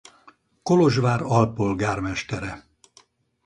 Kolozsvár alpolgármestere.